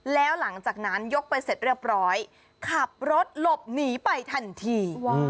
แล้วหลังจากนั้นยกไปเสร็จเรียบร้อยขับรถหลบหนีไปทันที